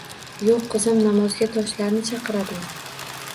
— Yoʼq. Qiziq, namozga toshlarni chaqiradimi?